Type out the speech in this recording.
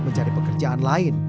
mencari pekerjaan lain